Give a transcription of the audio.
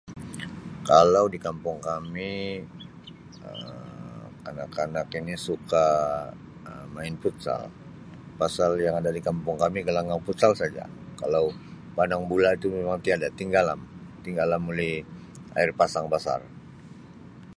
Kalau di kampung kami Um kanak-kanak ini suka Um main futsal pasal yang ada di kampung kami gelanggang futsal saja kalau padang bula tu mimang tiada tinggalam tinggalam oleh air pasang basar.